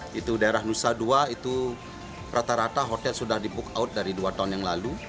yaitu daerah nusa dua itu rata rata hotel sudah di book out dari dua tahun yang lalu